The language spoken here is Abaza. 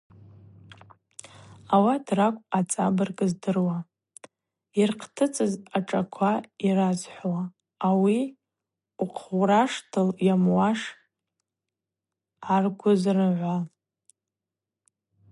Ауат ракӏвпӏ ацӏабырг здыруа, йырхътыцӏыз ашӏаква йразхӏвуа, ауи ухъураштыл йшамуаш гӏаргвынзыргӏвуа!